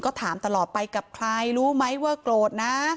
ก็ถามตลอดไปกับใครรู้ไหมว่าโกรธนะ